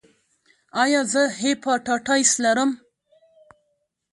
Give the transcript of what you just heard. ایا زه هیپاټایټس لرم؟